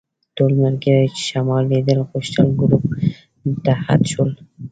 ټول ملګري چې شمال لیدل غوښتل ګروپ ته اډ شول.